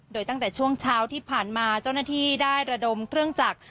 โดยตั้งแต่ช่วงเช้าที่ผ่านมาเจ้าหน้าที่ได้ระดมเครื่องจักร